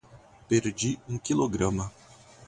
Perdi um quilograma.